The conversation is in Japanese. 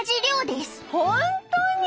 本当に？